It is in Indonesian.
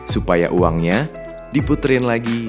supaya uangnya diputerin lagi